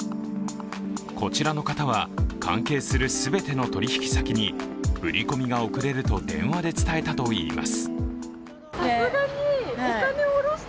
こちらの方は関係する全ての取引先に振り込みが遅れると電話で伝えたといいます。